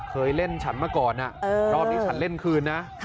เคยเล่นฉันมาก่อนรอบนี้ฉันเล่นคืนนะ